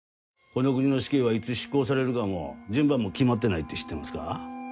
この国の死刑はいつ執行されるかも順番も決まってないって知ってますか？